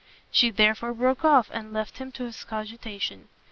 She therefore broke off, and left him to his cogitation.